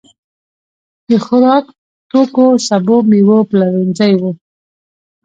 د خوراکتوکو، سبو، مېوو پلورنځي وو.